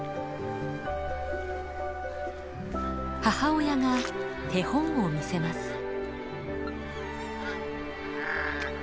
母親が手本を見せます。